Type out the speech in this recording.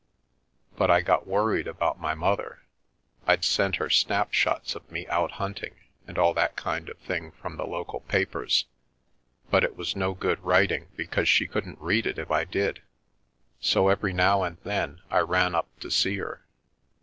But I got worried about my mother — Fd sent her snapshots of me out hunting and all that kind of thing from the local papers, but it was no good writing because she couldn't read it if I did. So every now and then I ran up to see her.